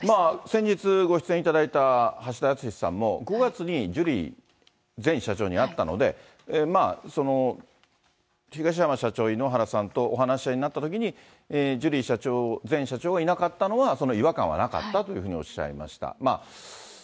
先日、ご出演いただいた橋田康さんも、５月にジュリー前社長に会ったので、まあ、東山社長、井ノ原さんとお話し合いになったときに、ジュリー前社長がいなかったのが、その違和感はなかったというふうにおっしゃいました。